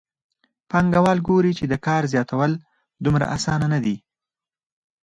پانګوال ګوري چې د کار زیاتول دومره اسانه نه دي